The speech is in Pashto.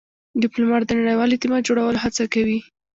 ډيپلومات د نړیوال اعتماد جوړولو هڅه کوي.